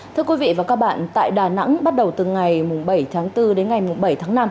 thưa quý vị và các bạn tại đà nẵng bắt đầu từ ngày bảy tháng bốn đến ngày bảy tháng năm